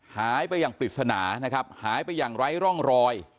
หายไปอย่างปริศนานะครับหายไปอย่างไร้ร่องรอย